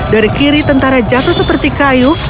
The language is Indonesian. dari kiri tentara jatuh seperti kayu